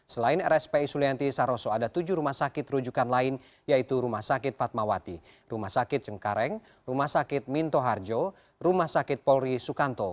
selain rspi sulianti saroso ada tujuh rumah sakit rujukan lain yaitu rumah sakit fatmawati rumah sakit cengkareng rumah sakit minto harjo rumah sakit polri sukanto